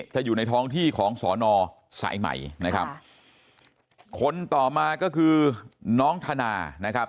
อยู่ในท้องที่ของสอนอสายใหม่นะครับคนต่อมาก็คือน้องธนานะครับ